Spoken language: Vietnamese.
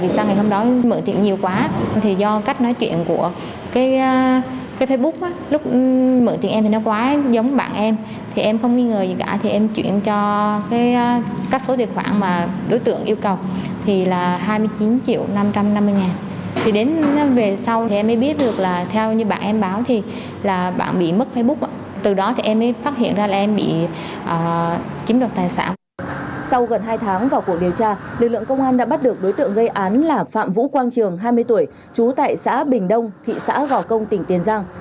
sau gần hai tháng vào cuộc điều tra lực lượng công an đã bắt được đối tượng gây án là phạm vũ quang trường hai mươi tuổi trú tại xã bình đông thị xã gò công tỉnh tiền giang